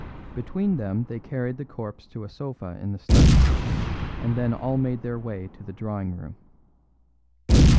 Between them they carried the corpse to a sofa in the study, and then all made their way to the drawing room.